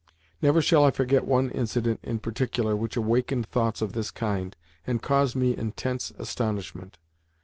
Never shall I forget one incident in particular which awakened thoughts of this kind, and caused me intense astonishment.